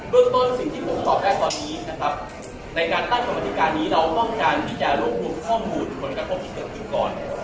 เรื่องต้นสิ่งที่ผมตอบได้ตอนนี้นะครับในการตั้งกรรมธิการนี้เราต้องการที่จะรวบรวมข้อมูลผลกระทบที่เกิดขึ้นก่อน